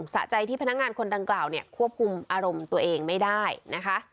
สะใจที่พนักงานคนดังกล่าวเนี่ยควบคุมอารมณ์ตัวเองไม่ได้นะคะ